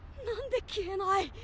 何で消えない！？